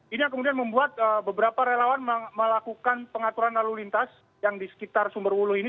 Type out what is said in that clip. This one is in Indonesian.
ini yang kemudian membuat beberapa relawan melakukan pengaturan lalu lintas yang di sekitar sumber wuluh ini